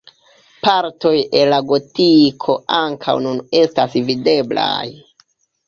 Partoj el la gotiko ankaŭ nun estas videblaj.